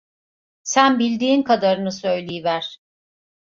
Sen bildiğin kadarını söyleyiver!